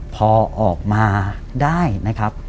พอออกมาได้นะครับ